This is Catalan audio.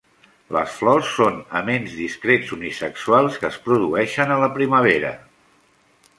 Les flors són aments discrets unisexuals que es produeixen a la primavera.